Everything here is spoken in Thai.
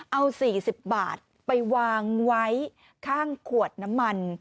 เอา๔๐บาทไปวางไว้ข้างขวดน้ำมัน